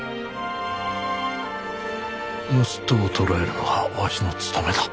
盗人を捕らえるのがわしの務めだ。